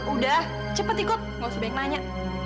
udah cepet ikut nggak usah baik nanya